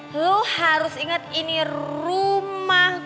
lo harus ingat ini rumah